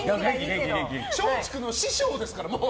松竹の師匠ですから、もう。